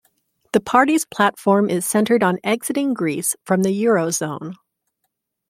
The party's platform is centered on exiting Greece from the eurozone.